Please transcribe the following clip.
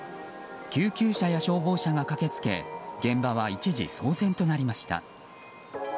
救急車や消防車が駆けつけ現場は一時騒然となりました。